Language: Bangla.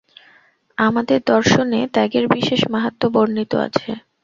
আমাদের দর্শনে ত্যাগের বিশেষ মাহাত্ম্য বর্ণিত আছে।